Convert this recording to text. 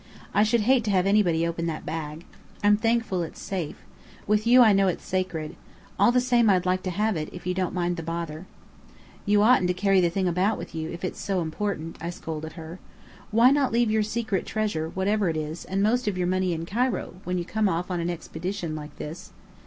"I should hate to have anybody open that bag. I'm thankful it's safe. With you, I know it's sacred. All the same, I'd like to have it, if you don't mind the bother." "You oughtn't to carry the thing about with you, if it's so important," I scolded her. "Why not leave your secret treasure, whatever it is, and most of your money, in Cairo, when you come off on an expedition like this?"